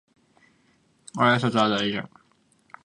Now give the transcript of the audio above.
挨拶は大事